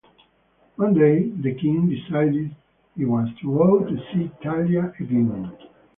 One day, the king decides he wants to go see Talia again.